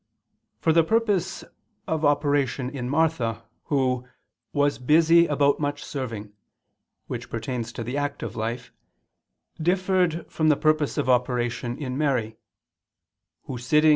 For the purpose of operation in Martha, who "was busy about much serving," which pertains to the active life, differed from the purpose of operation in Mary, "who sitting